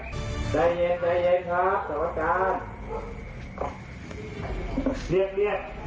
ใจเย็นใจเย็นครับสวัสดีครับ